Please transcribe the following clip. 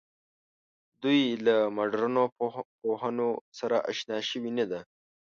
دوی له مډرنو پوهنو سره آشنا شوې نه ده.